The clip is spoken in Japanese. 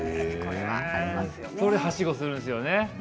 はしごするんですよね。